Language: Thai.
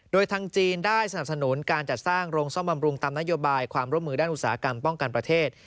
โดยทางจีนได้สนับสนุนการจัดสร้างโรงซ่อมบำรุงตามนโยบายความร่วมมือด้านอุตสาหกรรมป้องกันประเทศ